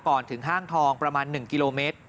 ก่อนถึงห้างทองประมาณ๑กิโลเมตร